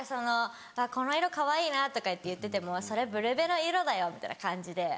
「この色かわいいな」とか言ってても「それブルベの色だよ」みたいな感じで。